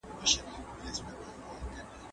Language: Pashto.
چې سورغشی راووتې د تور هاتي پښې نه